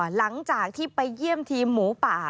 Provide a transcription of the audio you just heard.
หลังจากที่ไปเยี่ยมทีมหมูป่า